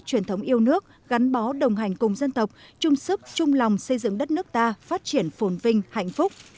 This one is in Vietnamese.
truyền thống yêu nước gắn bó đồng hành cùng dân tộc chung sức chung lòng xây dựng đất nước ta phát triển phồn vinh hạnh phúc